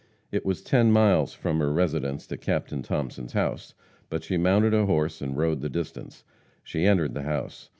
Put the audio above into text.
It was ten miles from her residence to Captain Thomason's house; but she mounted a horse and rode the distance. She entered the house.